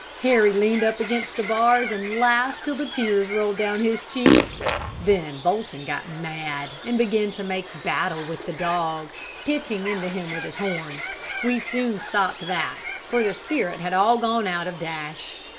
Harry leaned up against the bars and laughed till the tears rolled down his cheeks, Then Bolton got mad, and began to make battle with the dog, pitching into him with his horns. We soon stopped that, for the spirit had all gone out of Dash.